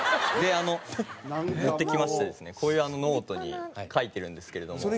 であの持ってきましてですねこういうノートに書いてるんですけれども。